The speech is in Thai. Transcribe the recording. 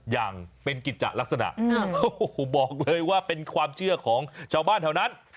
อย่างเป็นกิจจะลักษณะโอ้โหบอกเลยว่าเป็นความเชื่อของชาวบ้านแถวนั้น